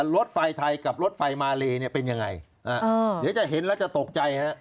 รถไฟไทยกับรถไฟมาเลเนี่ยเป็นยังไงเดี๋ยวจะเห็นแล้วจะตกใจฮะ